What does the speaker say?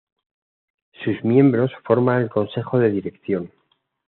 Sus miembros forman el Consejo de Dirección.